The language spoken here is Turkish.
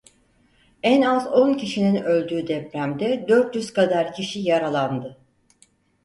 En az on kişinin öldüğü depremde dört yüz kadar kişi yaralandı.